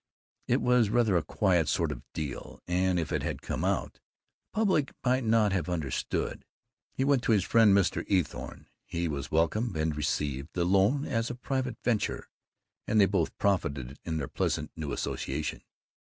It was rather a quiet sort of deal and, if it had come out, the Public might not have understood. He went to his friend Mr. Eathorne; he was welcomed, and received the loan as a private venture; and they both profited in their pleasant new association.